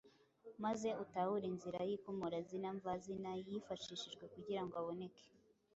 maze utahure inzira y’ikomorazina mvazina yishashishijwe kugira ngo aboneke.